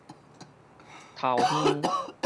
頭香